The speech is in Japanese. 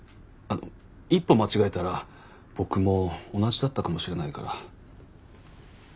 一歩間違えたら僕も同じだったかもしれないから。